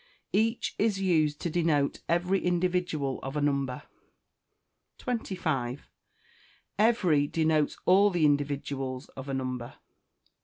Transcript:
Each is used to denote every individual of a number. 25. Every denotes all the individuals of a number.